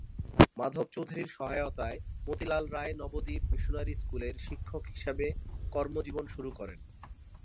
মাধব চৌধুরীর সহায়তায় মতিলাল রায় নবদ্বীপ মিশনারি স্কুলের শিক্ষক হিসাবে কর্মজীবন শুরু করেন।